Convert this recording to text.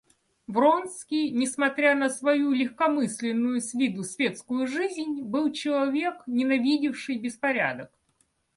Вронский, несмотря на свою легкомысленную с виду светскую жизнь, был человек, ненавидевший беспорядок.